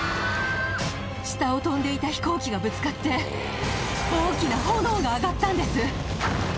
下を飛んでいた飛行機がぶつかって大きな炎が上がったんです。